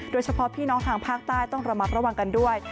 โดยเฉพาะพี่น้องทางภาคใต้ต้องระมัดระวังกันด้วย